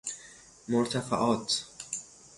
مرتفعات